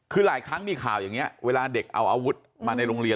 คือหลายครั้งมีข่าวอย่างนี้เวลาเด็กเอาอาวุธมาในโรงเรียน